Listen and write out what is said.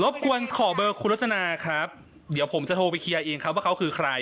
กวนขอเบอร์คุณรจนาครับเดี๋ยวผมจะโทรไปเคลียร์เองครับว่าเขาคือใคร